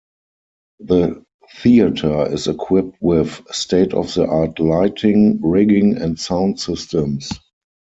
The theatre is equipped with state-of-the-art lighting, rigging and sound systems.